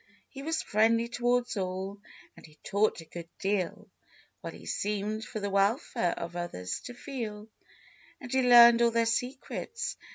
He was friendly towards all, and he talked a good deal, While he seemed for the welfare of others to feel ; And he learned all their secrets.